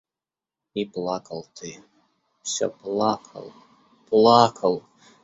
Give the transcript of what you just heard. И плакал ты, все плакал, плакал.